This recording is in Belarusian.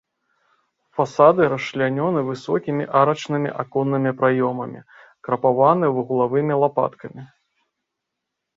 Фасады расчлянёны высокімі арачнымі аконнымі праёмамі, крапаваны вуглавымі лапаткамі.